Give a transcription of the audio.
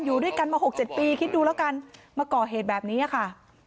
อยู่ด้วยกันมาหกเจ็ดปีคิดดูแล้วกันมาก่อเหตุแบบนี้ค่ะ